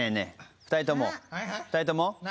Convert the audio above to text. ２人とも２人とも。